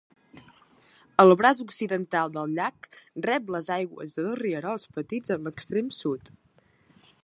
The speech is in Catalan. El braç occidental del llac rep les aigües de dos rierols petits en l'extrem sud.